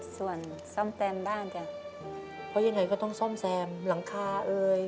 ส่วนซ่อมแซมบ้านจ้ะเพราะยังไงก็ต้องซ่อมแซมหลังคาเอ่ย